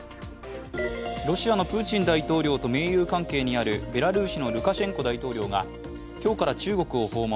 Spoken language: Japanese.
ロシアのプーチン大統領と盟友関係にあるベラルーシのルカシェンコ大統領が今日から中国を訪問。